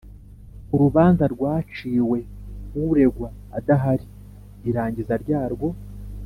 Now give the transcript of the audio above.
Urubanza rwaciwe uregwa adahari irangiza ryarwo